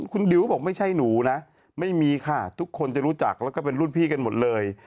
คุณดิวบอกไม่ใช่หนูนะไม่มีค่ะทุกคนจะรู้จักแล้วก็เป็นรุ่นพี่กันหมดเลย